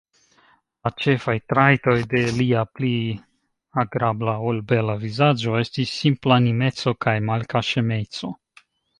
La ĉefaj trajtoj de lia pli agrabla, ol bela vizaĝo estis simplanimeco kaj malkaŝemeco.